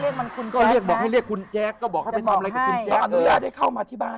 เรียกมาคุกเติมได้บอกให้เรียกคุณแจ๊คก็บอกให้มาแล้วใช่มันมา